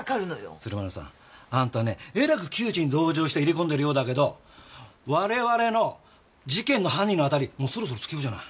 鶴丸さんあんたねえらく木内に同情して入れ込んでるようだけど我々の事件の犯人の当たりそろそろつけようじゃない。